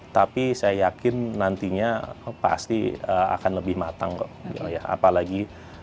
tapi saya yakin nantinya pasti akan lebih matang kok apalagi sekarang sudah banyak perubahan yang dibawa oleh pak presiden